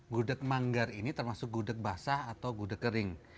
gudeg manggar ini termasuk gudeg basah atau gudeg kering